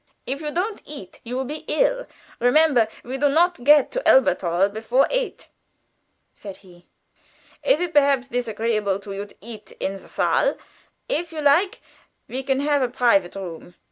"If you do not eat, you will be ill. Remember, we do not get to Elberthal before eight," said he. "Is it perhaps disagreeable to you to eat in the saal? If you like we can have a private room."